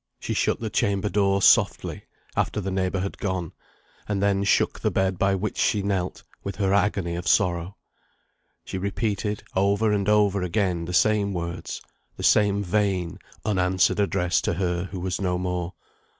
She shut the chamber door softly, after the neighbour had gone, and then shook the bed by which she knelt, with her agony of sorrow. She repeated, over and over again, the same words; the same vain, unanswered address to her who was no more.